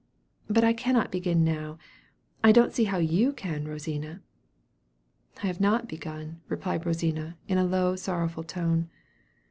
But I cannot begin now, and I don't see how you can, Rosina." "I have not begun," replied Rosina, in a low sorrowful tone.